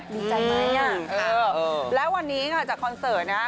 มีใจไหมเออแล้ววันนี้จากคอนเสิร์ตนะครับ